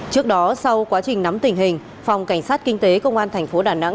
trước đó sau quá trình nắm tình hình phòng cảnh sát kinh tế công an tp đà nẵng